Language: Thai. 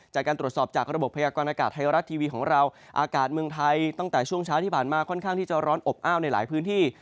จากการตรวจสอบจากระบบพยากรณากาศไทยรัฐทีวีของเราอากาศเมืองไทยตั้งแต่ช่วงเช้าที่ผ่านมาค่อนข้างที่จะร้อนอบอ้าวในหลายพื้นที่